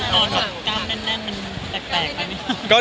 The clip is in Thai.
แล้วตอนที่เราได้มานั่งดู